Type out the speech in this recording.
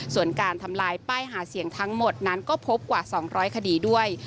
ส่วนการทำลายป้ายหาเสียงทั้งหมดนั้นก็พบกว่า๒๐๐คดีด้วย